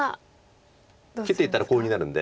切っていったらコウになるんで。